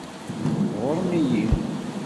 Tɣuṛṛem-iyi.